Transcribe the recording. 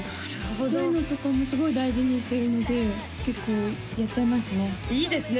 そういうのとかもすごい大事にしてるので結構やっちゃいますねいいですね